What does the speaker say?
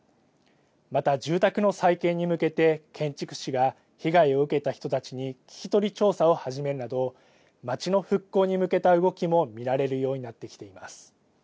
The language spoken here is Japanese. また、住宅の再建に向けて建築士が被害を受けた人たちに聞き取り調査を始めるなど、町の復興に向けた動きも見られるようになってきています。